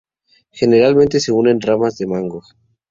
Generalmente se unen ramas de un mango.